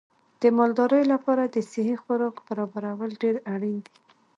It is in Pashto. د مالدارۍ لپاره د صحي خوراک برابرول ډېر اړین دي.